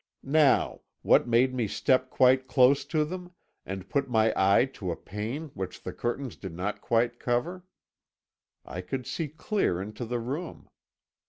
Now, what made me step quite close to them, and put my eye to a pane which the curtains did not quite cover? I could see clear into the room.